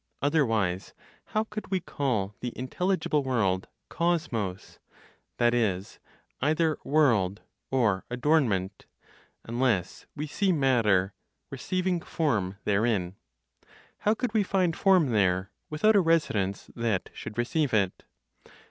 Otherwise, how could we call the intelligible world "kosmos" (that is, either world, or adornment), unless we see matter (receiving) form therein? How could we find form there, without (a residence) that should receive it?